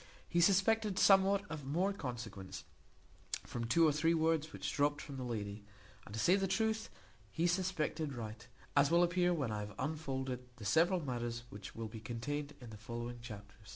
He suspected somewhat of more consequence, from two or three words which dropt from the lady; and, to say the truth, he suspected right, as will appear when I have unfolded the several matters which will be contained in the following chapter.